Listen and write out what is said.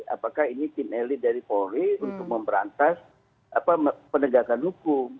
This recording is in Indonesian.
apakah ini tim elit dari polri untuk memberantas penegakan hukum